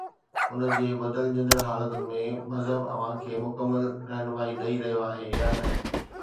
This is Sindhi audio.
ان جي بدلجندڙ حالتن ۾ مذهب اوهان کي مڪمل رهنمائي ڏئي رهيو آهي يا نه؟